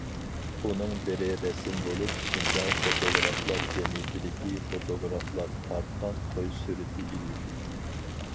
ئۇنىڭ بىرى رەسىم بولۇپ، شىنجاڭ فوتوگرافلار جەمئىيىتىدىكى فوتوگرافلار تارتقان توي سۈرىتى ئىدى.